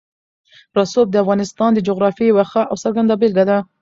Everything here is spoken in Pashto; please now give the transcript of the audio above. رسوب د افغانستان د جغرافیې یوه ښه او څرګنده بېلګه ده.